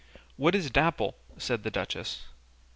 "What is Dapple?" said the duchess.